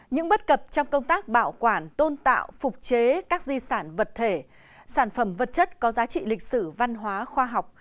những bất cập trong công tác bảo quản tôn tạo phục chế các di sản vật thể sản phẩm vật chất có giá trị lịch sử văn hóa khoa học